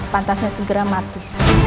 pantasnya segera mati